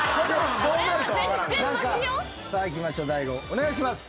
お願いします。